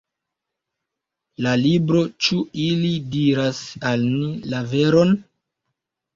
La libro Ĉu ili diras al ni la veron?